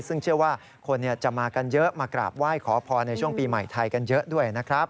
ซึ่งเชื่อว่าคนจะมากันเยอะมากราบไหว้ขอพรในช่วงปีใหม่ไทยกันเยอะด้วยนะครับ